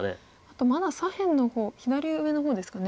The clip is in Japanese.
あとまだ左辺の方左上の方ですか。